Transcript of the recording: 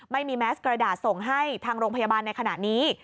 ไม่มีแมสกระดาษส่งให้ทางโรงพยาบาลในขณะนี้